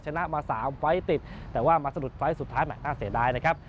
ชนะมา๓ไฟล์ติดแต่ว่ามาสะดุดไฟล์สุดท้ายแห่น่าเสียดายนะครับ